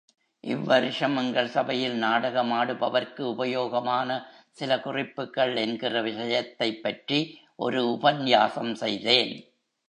இவ்வருஷம் எங்கள் சபையில் நாடகமாடுபவர்க்கு உபயோகமான சில குறிப்புகள் என்கிற விஷயத்தைப் பற்றி ஒரு உபன்யாசம் செய்தேன்.